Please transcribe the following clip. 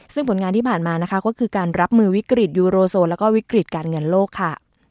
ซึ่งผลงานที่ผ่านมานะคะก็คือการรับมือวิกฤตยูโรโซแล้วก็วิกฤตการเงินโลกค่ะ